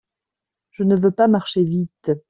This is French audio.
Je ne veux pas marcher vite.